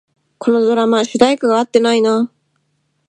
このドラマ、主題歌が合ってないな